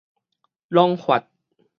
攏髮